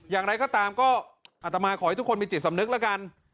อย่างไรก็ตามก็อัตมาขอให้ทุกคนมีจิตสำนึกแล้วกัน